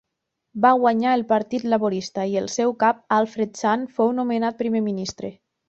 Va guanyar el Partit Laborista, i el seu cap Alfred Sant fou nomenat primer ministre.